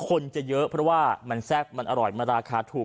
คนจะเยอะเพราะว่ามันแซ่บมันอร่อยมันราคาถูก